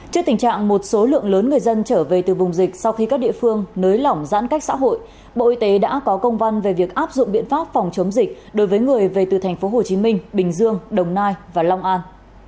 trước tình trạng một số lượng lớn người dân trở về từ vùng dịch sau khi các địa phương nới lỏng giãn cách xã hội bộ y tế đã có công văn về việc áp dụng biện pháp phòng chống dịch đối với người về từ tp hcm bình dương đồng nai và long an